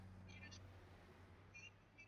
本海葵亚目所组成。